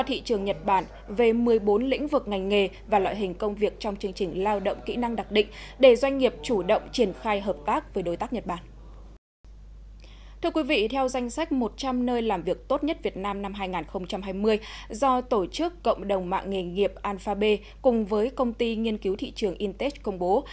theo danh sách một trăm linh nơi làm việc tốt nhất việt nam năm hai nghìn hai mươi do tổ chức cộng đồng mạng nghề nghiệp alphabet cùng với công ty nghiên cứu thị trường intex công bố